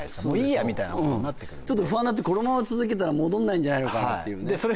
「もういいや」みたいなことになるちょっと不安になってこのまま続けたら戻んないんじゃないのかなっていうね